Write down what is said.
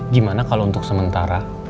gimana kalo untuk sementara